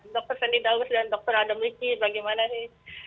dr sandy dawes dan dr adam riki bagaimana nih